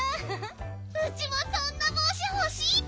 ウチもそんなぼうしほしいッピ！